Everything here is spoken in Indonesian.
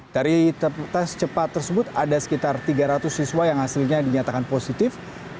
dari tes cepat tersebut ada sekitar tiga ratus siswa yang hasilnya dinyatakan positif